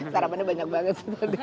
sarapannya banyak banget